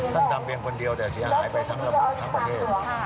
ทำเพียงคนเดียวแต่เสียหายไปทั้งประเทศ